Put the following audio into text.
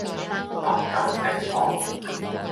不甘寂寞